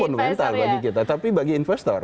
fundamental bagi kita tapi bagi investor